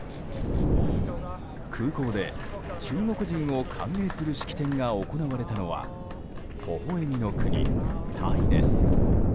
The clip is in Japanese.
空港で中国人を歓迎する式典が行われたのはほほ笑みの国、タイです。